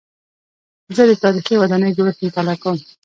زه د تاریخي ودانیو جوړښت مطالعه کوم.